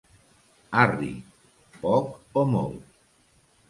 Arri!, poc o molt.